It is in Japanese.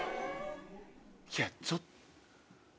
いやちょっと。